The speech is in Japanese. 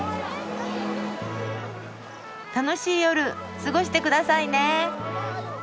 楽しい夜過ごしてくださいね。